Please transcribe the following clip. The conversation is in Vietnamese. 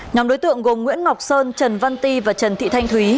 nhóm đối tượng gồm nguyễn ngọc sơn trần văn ti và trần thị thanh thúy